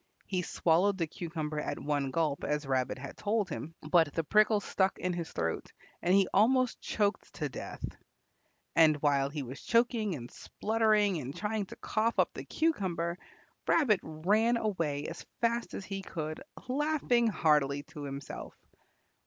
He swallowed the cucumber at one gulp, as Rabbit had told him, but the prickles stuck in his throat and he almost choked to death. And while he was choking and spluttering and trying to cough up the cucumber, Rabbit ran away as fast as he could, laughing heartily to himself.